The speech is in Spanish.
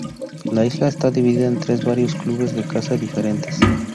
La isla está dividida entre varios clubes de caza diferentes.